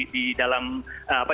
di dalam apa